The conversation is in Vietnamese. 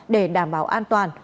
để đảm bảo an toàn